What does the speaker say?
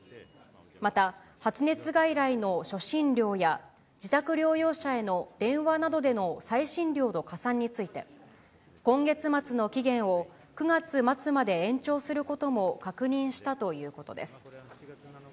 また、発熱外来の初診料や、自宅療養者への電話などでの再診料の加算について、今月末の期限を、９月末まで延長することも確認したということです。